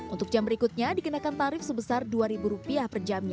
untuk jam berikutnya dikenakan tarif sebesar rp dua